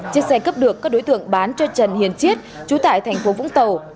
chiếc xe cướp được các đối tượng bán cho trần hiền chiết trú tại thành phố vũng tàu